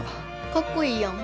かっこいいやん。